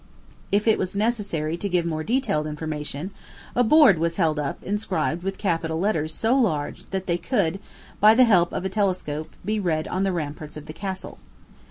If it was necessary to give more detailed information, a board was held up inscribed with capital letters so large that they could, by the help of a telescope, be read on the ramparts of the castle.